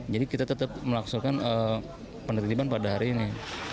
jadi kita tetap melaksanakan penerbitan pada hari ini